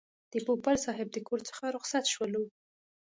د پوپل صاحب د کور څخه رخصت شولو.